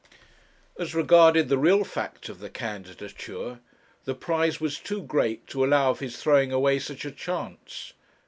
As regarded the real fact of the candidature, the prize was too great to allow of his throwing away such a chance.